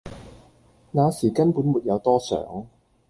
那時根本沒有多想